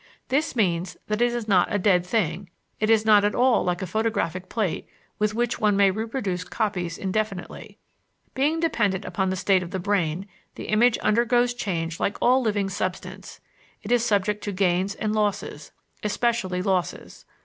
This means that it is not a dead thing; it is not at all like a photographic plate with which one may reproduce copies indefinitely. Being dependent on the state of the brain, the image undergoes change like all living substance, it is subject to gains and losses, especially losses.